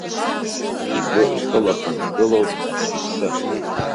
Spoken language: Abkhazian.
Игәы икылахан дгылоуп аӡә иԥсы.